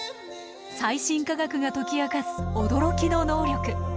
最新科学が解き明かす驚きの能力。